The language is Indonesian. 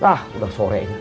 lah udah sore ini